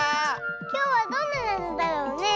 きょうはどんななぞだろうねえ。